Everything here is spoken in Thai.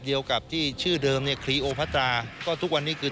เดียวกับที่ชื่อเดิมเนี่ยคลีโอพัตราก็ทุกวันนี้คือ